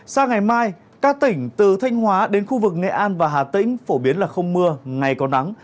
sang ngày mai các tỉnh từ thanh hóa đến khu vực nghệ an và hà tĩnh phổ biến là không mưa ngày có nắng